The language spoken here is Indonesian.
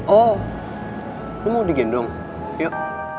oh kamu mau digendong yuk